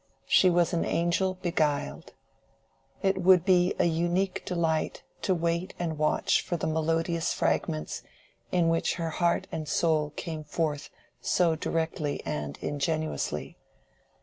She was an angel beguiled. It would be a unique delight to wait and watch for the melodious fragments in which her heart and soul came forth so directly and ingenuously.